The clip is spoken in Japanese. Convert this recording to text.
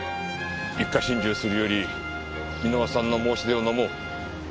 一家心中するより箕輪さんの申し出をのもう。